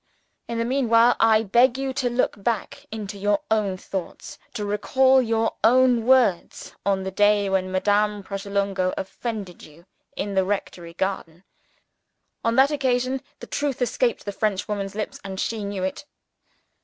"In the meanwhile, I beg you to look back into your own thoughts, to recall your own words, on the day when Madame Pratolungo offended you in the rectory garden. On that occasion, the truth escaped the Frenchwoman's lips and she knew it!